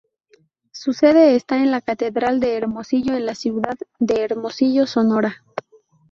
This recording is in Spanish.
Su sede está en la Catedral de Hermosillo en la ciudad de Hermosillo, Sonora.